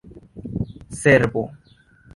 servo